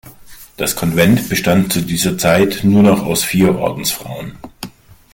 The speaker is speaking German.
Das Konvent bestand zu dieser Zeit nur noch aus vier Ordensfrauen.